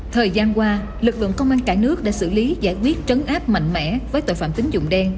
thời gian qua lực lượng công an cả nước đã xử lý giải quyết trấn áp mạnh mẽ với tội phạm tính dụng đen